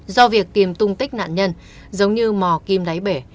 do việc tìm tung tích nạn nhân giống như mò kim đáy bể